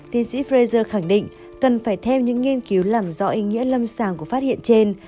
tiến sĩ prezer khẳng định cần phải theo những nghiên cứu làm rõ ý nghĩa lâm sàng của phát hiện trên